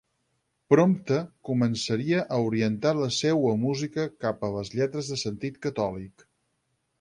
Prompte començaria a orientar la seua música cap a les lletres de sentit catòlic.